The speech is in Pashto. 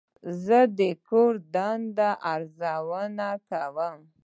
زه د کور دندې ارزونه کوم.